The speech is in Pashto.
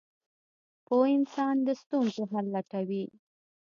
• پوه انسان د ستونزو حل لټوي.